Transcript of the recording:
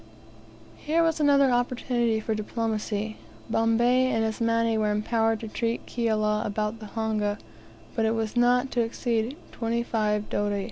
Here was another opportunity for diplomacy. Bombay and Asmani were empowered to treat with Kiala about the honga, but it was not to exceed twenty five doti.